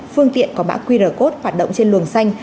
phương tiện có mã qr code hoạt động trên luồng xanh